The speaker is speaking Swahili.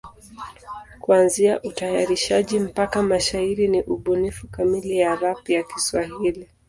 Kuanzia utayarishaji mpaka mashairi ni ubunifu kamili ya rap ya Kiswahili.